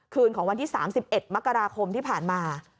คืนของวันที่๓๑มกราคมที่ผ่านมา